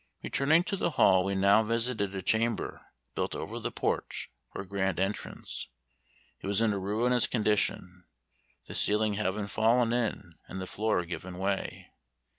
Returning to the Hall we now visited a chamber built over the porch, or grand entrance. It was in a ruinous condition, the ceiling having fallen in and the floor given way.